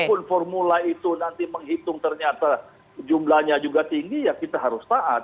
walaupun formula itu nanti menghitung ternyata jumlahnya juga tinggi ya kita harus taat